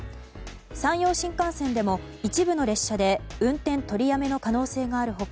山陽新幹線でも一部の列車で運転取りやめの可能性がある他